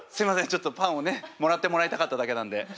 ちょっとパンをねもらってもらいたかっただけなんで。